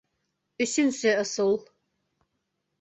Өсөнсө ысул.